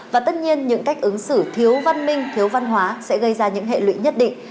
và tất nhiên những cách ứng xử thiếu văn minh thiếu văn hóa sẽ gây ra những hệ lụy nhất định